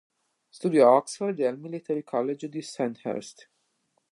Studiò a Oxford e al Royal Military College di Sandhurst.